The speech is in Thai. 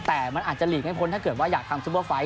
แต่มันอาจจะหลีกไม่พ้นถ้าเกิดว่าอยากทำซุปเปอร์ไฟล